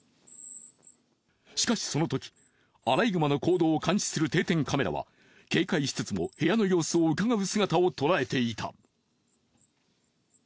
しかしその時アライグマの行動を監視する定点カメラは警戒しつつも部屋の様子を伺う姿を捉えていた。